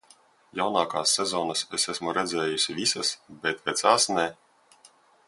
Jaunākās sezonas es esmu redzējusi visas, bet vecās, ne.